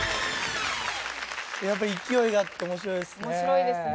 やっぱり勢いがあって面白いですね。